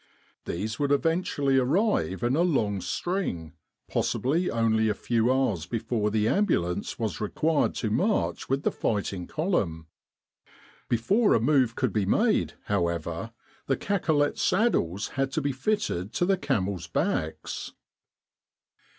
These would eventually arrive in a long string, possibly only a few hours before the Ambulance was required to march with the fighting column. Before a move could be made, however, the cacolet saddles had to be fitted to the camels' backs.